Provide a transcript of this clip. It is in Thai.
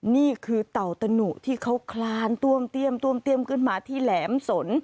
นี่คือเต่าตะหนุที่เขาคลานต้วมเตี้ยมขึ้นมาที่แหลมสน